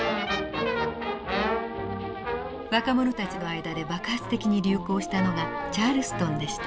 若者たちの間で爆発的に流行したのがチャールストンでした。